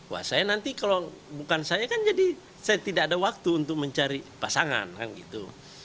wah saya nanti kalau bukan saya kan jadi saya tidak ada waktu untuk mencari pasangan kan gitu